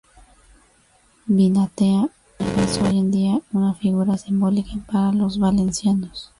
Vinatea es hoy en día una figura simbólica para los valencianos.